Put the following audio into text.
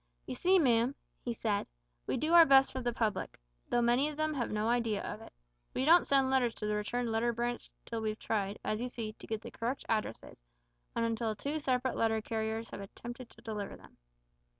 "You see, ma'am," he said, "we do our best for the public though many of 'em have no idea of it. We don't send letters to the Returned Letter Branch till we've tried, as you see, to get the correct addresses, and until two separate letter carriers have attempted to deliver them.